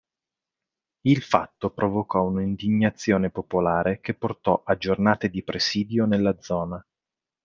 Il fatto provocò un'indignazione popolare che portò a giornate di presidio nella zona.